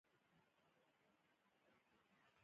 رایټ وروڼو د یوه داسې ماشين هیله وکړه